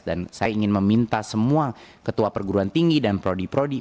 dan saya ingin meminta semua ketua perguruan tinggi dan prodi prodi